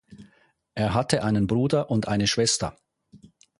Er hatte einen Bruder und eine Schwester.